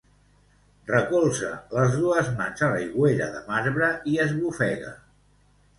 Recolza les dues mans a l'aigüera de marbre i esbufega.